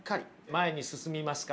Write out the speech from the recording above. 前に進みますか？